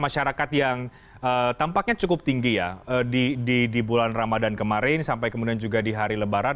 sampai di atas lima puluh persen